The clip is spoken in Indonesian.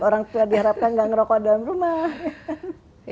orang tua diharapkan nggak ngerokok dalam rumah